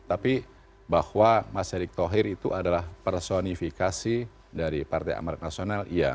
tapi bahwa mas erick thohir itu adalah personifikasi dari partai amarat nasional iya